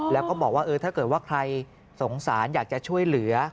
แล้วก็บอกว่าถ้าเกิดว่าใครสงสารอยากจะช่วยเหลือ